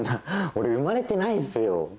俺生まれてないっすよ。